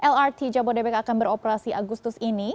lrt jabodebek akan beroperasi agustus ini